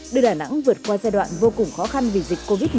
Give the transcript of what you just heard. đưa đà nẵng vượt qua giai đoạn vô cùng khó khăn vì dịch covid một mươi chín